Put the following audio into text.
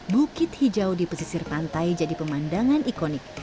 bukit hijau di pesisir pantai jadi pemandangan ikonik